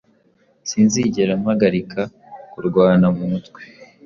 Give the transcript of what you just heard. Sinzigera mpagarika kurwana mu mutwe,